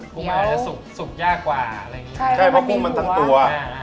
กุ้งมันอาจจะสุกสุกยากกว่าอะไรอย่างงี้ใช่เพราะกุ้งมันทั้งตัวอ่า